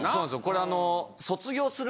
これあの。